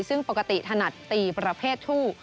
ซึ่งปกติถนัดตีประเภททู่